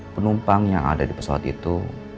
penumpang yang ada di pesawat itu